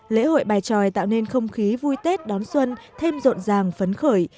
lễ hội bài tròi tạo nên không khí vui tết đón xuân thêm rộn ràng phấn khởi